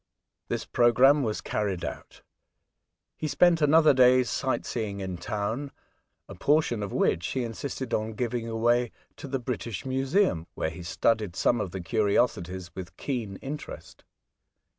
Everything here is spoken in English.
This programme was carried out. He spent another day's sight seeing in town, a portion of which he insisted on giving again to the British Museum, where he studied some of the curiosities with keen interest.